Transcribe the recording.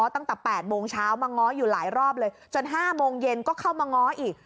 ตั้งแต่๘โมงเช้ามาง้ออยู่หลายรอบเลยจน๕โมงเย็นก็เข้ามาง้ออีก